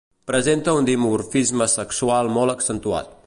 Presenta un dimorfisme sexual molt accentuat.